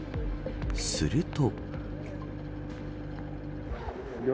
すると。